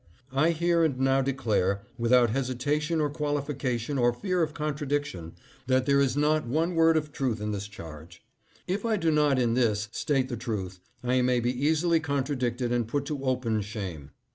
I here and now declare, with out hesitation or qualification or fear of contradiction, that there is not one word of truth in this charge. If I do not in this state the truth, I may be easily contra dicted and put to open shame.